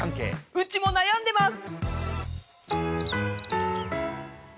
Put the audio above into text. うちも悩んでます！